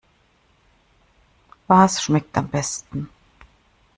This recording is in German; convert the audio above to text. Was schmeckt am besten?